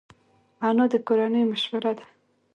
انا د کورنۍ مشوره ده